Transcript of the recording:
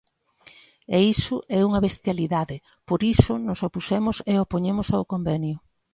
E iso é unha bestialidade, por iso nos opuxemos e opoñemos ao convenio.